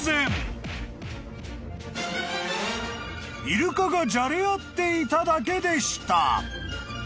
［イルカがじゃれ合っていただけでした］